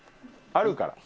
あるから。